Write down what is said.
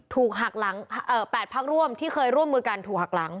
ถูกหักหลัง๘พักร่วมที่เคยร่วมมือกันถูกหักหลัง